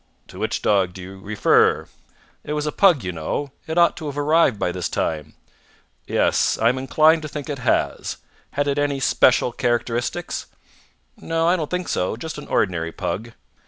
"To which dog do you refer?" "It was a pug, you know. It ought to have arrived by this time." "Yes. I am inclined to think it has. Had it any special characteristics?" "No, I don't think so. Just an ordinary pug."